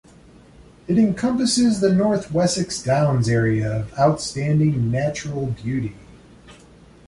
It encompasses the North Wessex Downs Area of Outstanding Natural Beauty.